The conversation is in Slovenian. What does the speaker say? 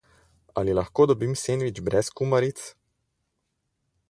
Ali lahko dobim sendvič brez kumaric?